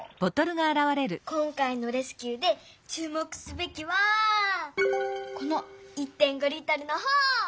今回のレスキューでちゅう目すべきはこの１．５Ｌのほう！